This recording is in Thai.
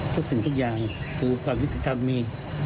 ทุกสิ่งทุกอย่างคือความฤทธิภัณฑ์มี